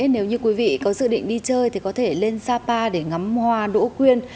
nếu như quý vị có dự định đi chơi thì có thể lên sapa để ngắm hoa đỗ quyên